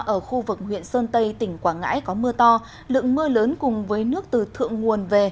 ở khu vực huyện sơn tây tỉnh quảng ngãi có mưa to lượng mưa lớn cùng với nước từ thượng nguồn về